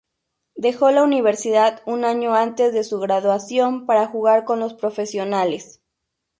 Dejó la universidad un año antes de su graduación para jugar con los profesionales.